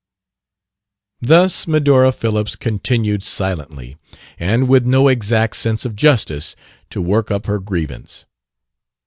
Thus Medora Phillips continued silently, and with no exact sense of justice, to work up her grievance.